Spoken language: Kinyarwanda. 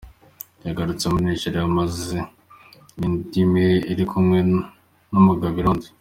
Yagarutse muri Nigeria amaze indwi imwe ari kumwe n'umugabo i Londres.